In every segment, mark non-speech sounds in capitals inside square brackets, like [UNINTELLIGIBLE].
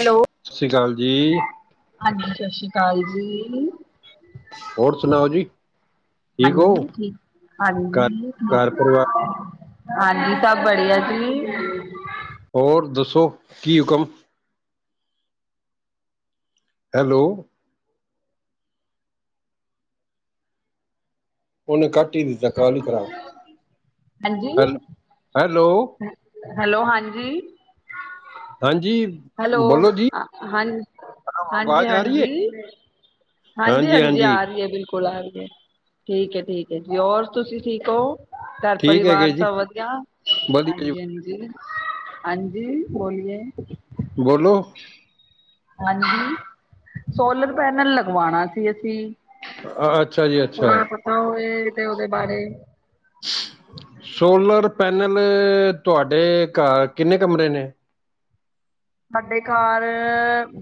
Hello. ਸਤਿ ਸ਼੍ਰੀ ਅਕਾਲ ਜੀ। ਹਾਂਜੀ ਸਤਿ ਸ੍ਰੀ ਅਕਾਲ ਜੀ। ਹੋਰ ਸੁਣਾਓ ਜੀ? ਠੀਕ ਹੋ? ਹਾਂਜੀ ਠੀਕ ਘਰ ਹਾਂਜੀ ਘਰ ਠੀਕ। ਪਰਿਵਾਰ ਹਾਂਜੀ ਸਭ ਬੜੀਆ ਸੀ। ਹੋਰ ਦੱਸੋ ਕੀ ਹੁਕਮ? ਹੈਲੋ। ਉਹਨੇ ਕੱਟ ਹੀ ਦਿੱਤਾ ਕਾਲ ਹੀ ਖਰਾਬ ਹਾਂਜੀ। ਹੈਲੋ ਹੈਲੋ ਹਾਂਜੀ। ਹਾਂਜੀ ਹੈਲੋ ਬੋਲੋ ਜੀ ਹਾਂ ਹਾਂਜੀ ਆਵਾਜ਼ ਆ ਰਹੀ ਹੈ ਹਾਂਜੀ। ਹਾਂਜੀ ਹਾਂਜੀ ਆ ਰਹੀ ਹੈ ਬਿਲਕੁਲ ਆ ਰਹੀ ਹੈ। ਠੀਕ ਠੀਕ ਹੈ ਜੀ ਹੋਰ ਤੁਸੀਂ ਠੀਕ ਹੋ? ਘਰ ਠੀਕ ਹੈਗੇ ਪਰਿਵਾਰ ਜੀ ਸਭ ਵਧੀਆ ਵਧੀਆ ਜੀ ਹਾਂਜੀ ਹਾਂਜੀ ਹਾਂਜੀ ਬੋਲੀਏ। ਬੋਲੋ। ਹਾਂਜੀ ਸੋਲਰ ਪੈਨਲ ਲਗਵਾਉਣਾ ਸੀ ਅਸੀਂ ਅਹੱ [UNINTELLIGIBLE] ਥੋੜਾ ਪਤਾ ਹੋਵੇ ਤੇ ਉਹਦੇ ਬਾਰੇ ਸੋਲਰ ਪੈਨਲ ਤੁਹਾਡੇ ਘਰ ਕਿੰਨੇ ਕਮਰੇ ਨੇ ਸਾਡੇ ਘਰ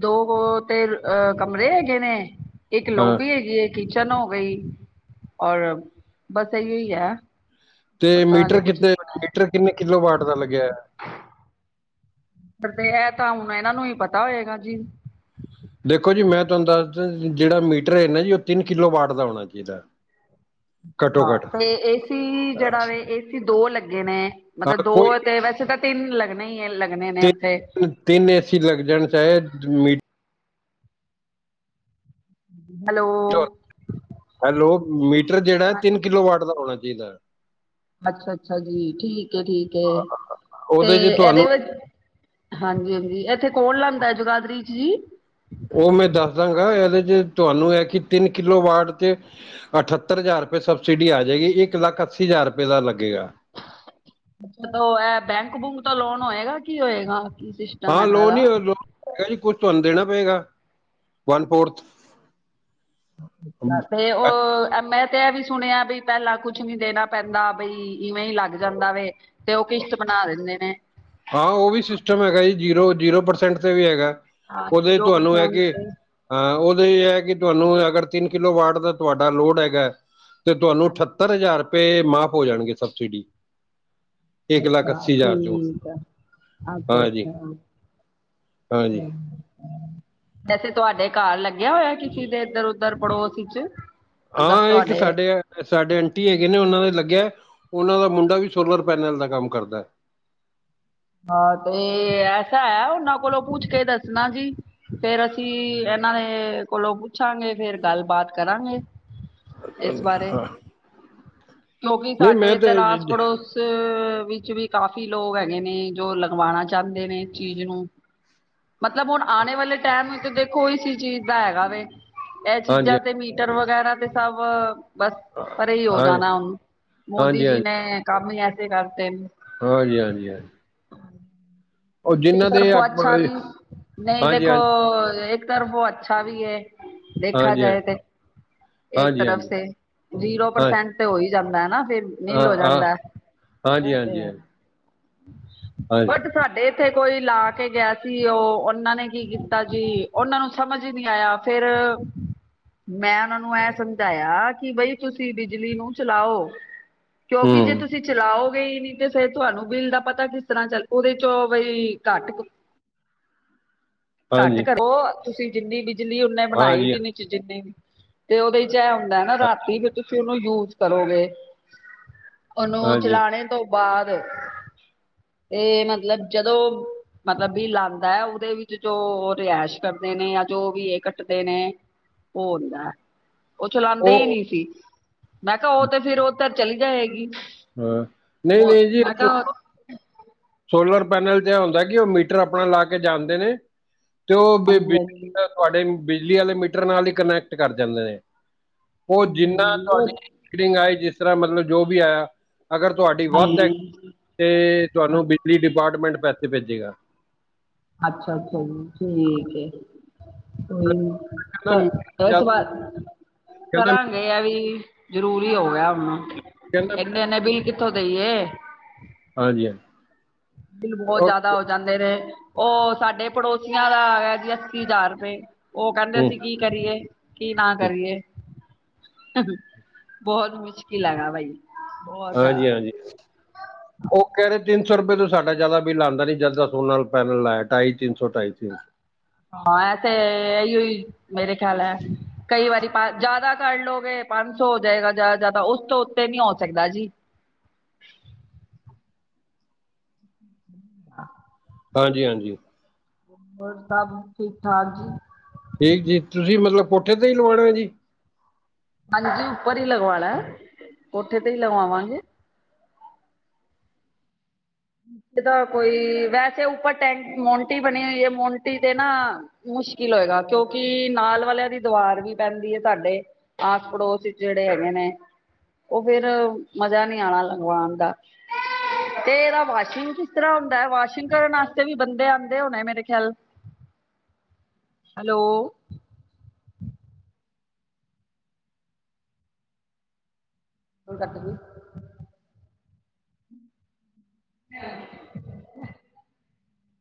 ਦੋ ਤੇ ਕਮਰੇ ਹੈਗੇ ਨੇ ਇੱਕ ਹਾਂ ਲੋਬੀ ਹੈਗੀ ਹੈ ਕਿਚਨ ਹੋ ਗਈ ਔਰ ਬਸ ਇਹੀ ਹੀ ਹੈ ਤੇ ਪਤਾ ਹਾਲੇ ਮੀਟਰ ਕੁਛ ਕਿੱਤੇ ਨੀ ਬਣਾਇਆ ਮੀਟਰ ਕਿੰਨੇ ਕਿਲੋ ਵਾਟ ਦਾ ਲੱਗਿਆ ਆ ਤੇ ਇਹ ਤਾਂ ਹੁਣ ਇਹਨਾਂ ਨੂੰ ਹੀ ਪਤਾ ਹੋਏਗਾ ਜੀ ਦੇਖੋ ਜੀ, ਮੈਂ ਤੁਹਾਨੂੰ ਦੱਸਦਾ ਜਿਹੜਾ ਮੀਟਰ ਹੈ ਨਾ ਜੀ ਉਹ ਤਿੰਨ ਕਿਲੋ ਵਾਟ ਦਾ ਹੋਣਾ ਚਾਹੀਦਾ। ਘੱਟੋ ਘੱਟ ਹਾਂ ਤੇ ਏਸੀ ਜਿਹੜਾ ਵੇ ਏਸੀ ਦੋ ਲੱਗੇ ਨੇ ਮੱਤਲਬ ਹਾਂ ਦੋ ਕੋਈ ਤੇ ਵੈਸੇ ਤਾਂ ਤਿੰਨ ਲੱਗਣੇ ਈ ਲੱਗਣੇ ਨੇ ਉੱਥੇ ਤਿੰਨ ਤਿੰਨ ਏਸੀ ਲੱਗ ਜਾਣ ਚਾਹੇ ਮੀਟਰ ਹੈਲੋ ਹੈਲੋ ਮੀਟਰ ਜਿਹੜਾ ਤਿੰਨ ਕਿਲੋ ਵਾਟ ਦਾ ਹੋਣਾ ਚਾਹੀਦਾ। ਅੱਛਾ ਅੱਛਾ ਜੀ ਠੀਕ ਹੈ ਠੀਕ ਹੈ ਤੇ ਉਹਦੇ 'ਚ ਇਹਦੇ ਤੁਹਾਨੂੰ ਵਿੱਚ ਹਾਂਜੀ ਹਾਂਜੀ ਇੱਥੇ ਕੌਣ ਲਾਉਂਦਾ ਹੈ ਜੁਗਾਦਰੀ ਚ ਜੀ ਉਹ ਮੈਂ ਦੱਸ ਦਾਂਗਾ ਇਹਦੇ ਚ ਤੁਹਾਨੂੰ ਹੈ ਕਿ ਤਿੰਨ ਕਿੱਲੋ ਵਾਡ ਤੇ ਅਠੱਤਰ ਹਜ਼ਾਰ ਰੁਪਏ ਸਬਸਿਡੀ ਆ ਜਾਏਗੀ ਇੱਕ ਲੱਖ ਅੱਸੀ ਹਜ਼ਾਰ ਰੁਪਏ ਦਾ ਲੱਗੇਗਾ। ਅੱਛਾ ਤਾਂ ਉਹ ਇਹ ਬੈਂਕ ਬੂਕ ਤਾਂ ਲੋਨ ਹੋਏਗਾ ਕੀ ਹੋਏਗਾ ਕੀ ਸਿਸਟਮ ਹੈਗਾਦਾ। ਕਹਿ ਕੁੱਛ ਤੁਹਾਨੂੰ ਦੇਣਾ ਪਏਗਾ ਵਨ ਫੋਰਥ [UNINTELLIGIBLE] ਤੇ ਉਹ ਮੈਂ ਤੇ ਇਹ ਵੀ ਸੁਣਿਆ ਬਈ ਪਹਿਲਾਂ ਕੁਛ ਨੀ ਦੇਣਾ ਪੈਂਦਾ। ਬਈ ਇਵੇਂ ਹੀ ਲੱਗ ਜਾਂਦਾ ਵੇ। ਤੇ ਉਹ ਕਿਸ਼ਤ ਬਣਾ ਦਿੰਦੇ ਨੇ। ਹਾਂ ਉਹ ਵੀ ਸਿਸਟਮ ਹੈਗਾ ਜੀ, ਜੀਰੋ, ਜੀਰੋ ਪਰਸੈਂਟ ਤੇ ਵੀ ਹੈਗਾ। ਹਾਂ ਉਹਦੇ ਜ਼ੀਰੋ ਤੁਹਾਨੂੰ ਹੈ ਪਰਸੈਂਟ ਕਿ ਤੇ ਹਾਂ ਉਹਦੇ ਇਹ ਹੈ ਕਿ ਤੁਹਾਨੂੰ ਅਗਰ ਤਿੰਨ ਕਿੱਲੋ ਵਾਟ ਦਾ ਤੁਹਾੱਡਾ ਲੋਡ ਹੈਗਾ। ਤੇ ਤੁਹਾਨੂੰ ਅਠੱਤਰ ਹਾਂਜੀ ਹਜ਼ਾਰ ਰੁੱਪਏ ਮਾਫ਼ ਹੋ ਜਾਣਗੇ ਸਬਸਿਡੀ ਇੱਕ ਲੱਖ ਅੱਛਾ, ਅੱਸੀ ਹਜ਼ਾਰ ਚੋਂ ਠੀਕ ਆ। ਹਾਂਜੀ ਅੱਛਾ-ਅੱਛਾ। ਹਾਂਜੀ ਵੈਸੇ ਤੁਹਾਡੇ ਘਰ ਲੱਗਿਆ ਹੋਇਆ ਕਿਸੇ ਦੇ ਇੱਧਰ-ਉੱਧਰ ਪੜੋਸ ਚ ਹਾਂ ਇੱਕ ਸਾਡੇ ਆ। ਸਾਡੇ ਆਂਟੀ ਹੈਗੇ ਨੇ ਉਹਨਾਂ ਦੇ ਲੱਗਿਆ, ਉਹਨਾਂ ਦਾ ਮੁੰਡਾ ਵੀ ਸੋਲਰ ਪੈਨਲ ਦਾ ਕੰਮ ਕਰਦਾ। ਹਾਂ ਤੇ ਐਸਾ ਐ, ਉਹਨਾਂ ਕੋਲੋਂ ਪੁੱਛ ਕੇ ਦੱਸਣਾ ਜੀ। ਫਿਰ ਅਸੀਂ ਇਹਨਾਂ ਦੇ ਕੋਲੋਂ ਪੁੱਛਾਂਗੇ ਫਿਰ ਗੱਲਬਾਤ ਕਰਾਂਗੇ। ਇਸ ਬਾਰੇ ਹਾਂ। ਕਿਉਂਕਿ ਸਾਡੇ ਇੱਧਰ ਆਸ ਹਾਂਜੀ ਪੜੋਸ ਤੇ ਵਿੱਚ ਵੀ ਕਾਫੀ ਲੋਕ ਹੈਗੇ ਨੇ ਜੋ ਲੰਗਵਾਣਾ ਚਾਹੁੰਦੇ ਨੇ ਇਸ ਚੀਜ਼ ਨੂੰ ਮੱਤਲਬ ਹੁਣ ਆਣੇ ਵਾਲੇ ਟਾਈਮ ਵਿੱਚ ਦੇਖੋ ਇਸ ਚੀਜ਼ ਦਾ ਹੈਗਾ ਵੇ, ਇਹ ਹਾਂ ਹਾਂਜੀ ਚੀਜ਼ਾਂ ਮੀਟਰ ਵਗੈਰਾ ਤੇ ਸਭ ਬੱਸ ਪਰੇ ਹੀ ਹੋ ਜਾਣ ਹੁਣ, ਮੋਦੀ ਹਾਂਜੀ ਜੀ ਨੇ ਮੈਂ ਕੰਮ ਹੀ ਐਸੇ ਕਰਤੇ ਨੇ ਹਾਂਜੀ-ਹਾਂਜੀ-ਹਾਂਜੀ। ਇੱਕ ਦੇ ਤਰਫੋਂ ਆਪਾਂ ਅੱਛਾ ਵੀ, ਨਹੀਂ ਹਾਂਜੀ ਹਾਂਜੀ ਦੇਖੋ ਇੱਕ ਤਰਫੋ ਅੱਛਾ ਵੀ ਐ। ਦੇਖਾ ਹਾਂਜੀ ਜਾਏ ਤੇ ਇੱਕ ਹਾਂਜੀ ਤਰਫ ਹਾਂਜੀ ਸੇ, ਜ਼ੀਰੋ ਹਾਂਜੀ ਪਰਸੈਂਟ ਤੇ ਹੋ ਹੀ ਜਾਂਦਾ ਏ ਨਾ ਫਿਰ ਹਾਂ ਨਿਲ ਹੋ ਹਾਂ ਜਾਂਦਾ। ਹਾਂਜੀ ਇਹ ਤੇ ਹਾਂਜੀ ਹਾਂਜੀ ਹਾਂਜੀ ਬਟ ਸਾਡੇ ਇੱਥੇ ਕੋਈ ਲਾ ਕੇ ਗਿਆ ਸੀ। ਉਹ ਉਹਨਾਂ ਨੇ ਕੀ ਕੀਤਾ ਜੀ ਉਹਨਾਂ ਨੂੰ ਸਮਝ ਹੀ ਨਹੀਂ ਆਇਆ। ਫਿਰ ਮੈਂ ਉਹਨਾਂ ਨੂੰ ਇਹ ਸਮਝਾਇਆ ਕਿ ਬਈ ਤੁਸੀਂ ਬਿਜਲੀ ਨੂੰ ਚਲਾਓ। ਕਿਉਂਕਿ ਹੂੰ ਜੇ ਤੁਸੀਂ ਚਲਾਓਗੇ ਹੀ ਨਹੀਂ ਤੇ ਫਿਰ ਤੁਹਾਨੂੰ ਬਿੱਲ ਦਾ ਪਤਾ ਕਿਸ ਤਰ੍ਹਾਂ ਚਲ, ਉਹਦੇ ਚੋਂ ਬਈ ਘੱਟ ਕੁ ਘੱਟ ਹਾਂਜੀ ਕਰੋ, ਉਹ ਤੁਸੀਂ ਜਿੰਨੀ ਬਿਜ ਬਿਜਲੀ ਉਨਾ ਤੇ ਬਣਾਏਗੀ ਹਾਂਜੀ ਨੀ ਜਿਨੀ ਚ ਜਿੰਨੇ ਵੀ ਤੇ ਉਹਦੇ ਚ ਇਹ ਹੁੰਦਾ ਨਾ ਰਾਤੀ ਵੀ ਤੁਸੀਂ ਉਹਨੂੰ ਯੂਜ ਭਰੋਗੇ, ਉਹਨੂੰ ਹਾਂਜੀ ਚਲਾਣੇ ਤੋਂ ਬਾਅਦ ਤੇ ਮਤਲਬ ਜਦੋਂ ਮਤਲਬ ਵੀ ਲਾਂਦਾ, ਉਹਦੇ ਵਿੱਚ ਜੋ ਰਿਹਾਸ਼ ਕਰਦੇ ਨੇ ਜਾਂ ਜੋ ਵੀ ਇਹ ਕੱਟਦੇ ਨੇ ਉਹ ਹੁੰਦਾ। ਉਹ ਚਲਾਦੇ ਹੀ ਉਹ ਨਹੀਂ ਸੀ। ਮੈਂ ਕਿਹਾ ਉਹ ਤੇ ਫਿਰ ਉਧਰ ਚਲੀ ਜਾਏਗੀ। ਹਾਂ ਨਹੀਂ ਨਹੀਂ ਉਹ, ਜੀ ਮੈਂ ਕਿਹਾ ਸੋਲਰ ਪੈਨਲ ਤੇ ਇਹ ਹੁੰਦਾ ਕਿ ਉਹ ਮੀਟਰ ਆਪਣਾ ਲਾ ਕੇ ਜਾਂਦੇ ਨੇ ਤੇ ਉਹ ਹਾਂਜੀ ਬਿਜਲੀ ਹਾਂਜੀ ਤੁਹਾਡੇ ਬਿਜਲੀ ਵਾਲੇ ਮੀਟਰ ਨਾਲ ਹੀ ਕਨੈਕਟ ਕਰ ਜਾਂਦੇ ਨੇ, ਉਹ ਜਿੰਨਾ ਹਾਂਜੀ ਤੁਹਾਡੀ ਉਹ ਫੀਟੀਗਂ ਆਈ ਜਿਸ ਤਰਾ ਮਤਲਬ ਜੋ ਵੀ ਆਯਾ, ਅਗਰ ਤੋਆਡੀ ਵੱਧ ਐ, ਤੇ ਤੁਹਾਨੂੰ ਦੀ ਡਿਪਾਟਮੈਂਟ ਪੈਸੇ ਭੇਜੇਗਾ। ਅੱਛਾ, ਅੱਛਾ ਜੀ, ਠੀਕ ਏ। ਕੋਈ ਕਹਿੰਦਾ ਨ ਮੀਟਰ ਇਸ ਜ਼ਿਆਦਾ- ਬਾਰ ਕਹਿੰਦਾ ਕਰਾਂਗੇ ਆ ਵੀ ਜ਼ਰੂਰੀ ਹੋ ਗਿਆ ਹੁਣ, ਕਹਿੰਦਾ ਇੰਨੇ-ਇੰਨੇ ਬਿੱਲ ਕਿੱਥੋਂ ਦੇਈਏ। ਹਾਂਜੀ-ਹਾਂਜੀ। ਬਿੱਲ ਬਹੁਤ ਜਿਆਦਾ ਹੋ ਜਾਂਦੇ ਨੇ ਉਹ ਸਾਡੇ ਪੜੋਸੀਆਂ ਦਾ ਆਇਆ। ਅੱਸੀ ਹਜ਼ਾਰ ਰੁਪਏ, ਉਹ ਕਹਿੰਦੇ ਹੂੰ ਅਸੀਂ ਕੀ ਕਰੀਏ ਕੀ ਨਾ ਹੂੰ, ਕਰੀਏ, ਬਹੁਤ ਮੁਸ਼ਕਲ ਹਾਂਜੀ-ਹਾਂਜੀ। ਉਹ ਕਹਿ ਰਹੇ ਤਿੰਨ ਸੌ ਰੁਪਏ ਤੋਂ ਸਾਡਾ ਜ਼ਿਆਦਾ ਬਿੱਲ ਆਉਂਦਾ ਨਹੀਂ, ਜਦੋਂ ਦਾ ਸੋਲਰ ਪੈਨਲ ਲਾਇਆ ਢਾਈ ਤਿੰਨ ਸੌ, ‌ਢਾਈ ਤਿੰਨ ਸੌ ਹਾਂ ਐ ਤੇੇ ਐਹੀ ਈ, ਮੇਰੇ ਖਿਆਲ ਐ। ਕਈ ਵਾਰੀ ਪਾ ਜੈਦਾ ਕਰ ਲੋਗੇ, ਪੰਜ ਸੋ ਹੋ ਜਾਏਗਾ ਜੈਦਾ, ਜੈਦਾ ਓਸ ਤੋ ਉੱਤੇ ਨੀ ਹੋ ਸਕਦਾ ਜੀ। [UNINTELLIGIBLE] ਹਾਂਜੀ, ਹਾਂਜੀ ਹੋਰ ਸਭ, ਠੀਕ ਠਾਕ ਜੀ। ਠੀਕ ਜੀ, ਤੁਸੀ ਮਤਲਬ ਕੋਠੇ ਤੇ ਈ ਲਵਾਣਾ ਜੀ। ਹਾਂਜੀ, ਉੱਪਰ ਹੀ ਲਗਵਾਣਾ, ਕੋਠੇ ਤੇ ਹੀ ਲਵਾਵਾਂਗੇ। ਜਿਦਾਂ ਕੋਈ ਵੈਸੇ ਉੱਪਰ ਟੈਂਕ ਮੋਨਟੀ ਬਨੀ ਹੋਈ ਏ, ਮੋਨਟੀ ਦੇ ਨਾ ਮੁਸ਼ਕਿਲ ਹੋਏਗਾ, ਕਯੋਂਕਿ ਨਾਲ ਵਾਲੇਆਂ ਦੀ ਦਵਾਰ ਵੀ ਪੈਂਦੀ ਏ ਤਾਡੇ ਆਸ, ਪੜੋਸਚ ਜੇੜੇ ਹੈਗੇ ਨੇ ਓ ਫੇਰ ਮਜ਼ਾ ਨੀ ਆਣਾ ਲੰਗਵਾਨ ਦਾ, ਤੇ ਏਦਾ ਵਾਸ਼ਿੰਗ ਕਿਸ ਤਰਾ ਹੁੰਦਾ, ਵਾਸ਼ਿੰਗ ਕਰਨ ਆਸਤੇ ਵੀ ਬੰਦੇ ਆਂਦੇ ਹੋਣੇ ਮੇਰੇ ਖਿਆਲ ਹਲੋ। [UNINTELLIGIBLE] [UNINTELLIGIBLE]